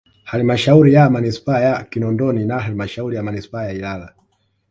Halmashauri ya Manispaa ya Kinondoni na Halmashauri ya Manispaa ya Ilala